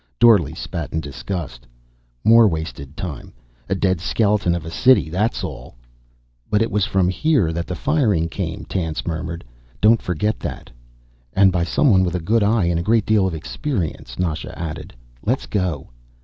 Dorle spat in disgust. "More wasted time. A dead skeleton of a city, that's all." "But it was from here that the firing came," Tance murmured. "Don't forget that." "And by someone with a good eye and a great deal of experience," Nasha added. "Let's go."